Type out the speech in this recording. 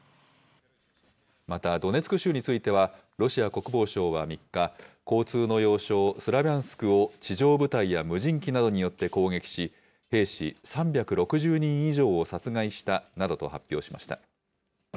またドネツク州については、ロシア国防省は３日、交通の要衝、スラビャンスクを地上部隊や無人機などによって攻撃し、兵士３６０人以上を殺害したなどと発表しました。